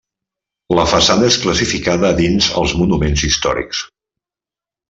La façana és classificada dins els monuments històrics.